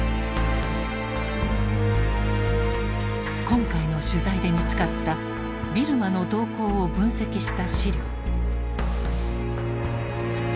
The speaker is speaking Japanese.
今回の取材で見つかったビルマの動向を分析した資料。